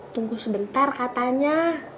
tunggu sebentar katanya